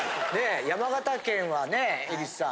山形県はねえりさん。